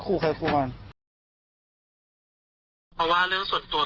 เพราะว่าเรื่องส่วนตัวพี่ไม่ยุ่งเนอะ